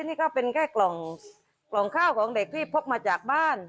นี่ก็เป็นแค่กล่องข้าวของเด็กที่พกมาจากบ้าน